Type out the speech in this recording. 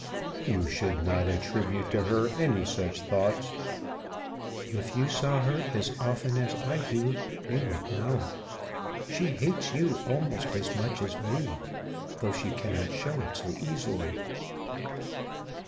"You should not attribute to her any such thoughts." "If you saw her as often as I do you would know. She hates you almost as much as me, though she cannot show it so easily."